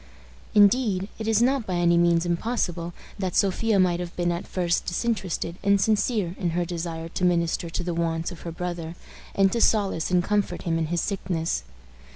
Indeed, it is not by any means impossible that Sophia might have been at first disinterested and sincere in her desire to minister to the wants of her brother, and to solace and comfort him in his sickness.